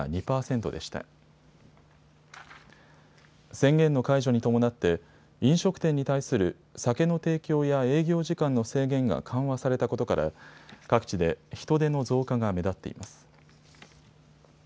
宣言の解除に伴って飲食店に対する酒の提供や営業時間の制限が緩和されたことから各地で人出の増加が目立っています。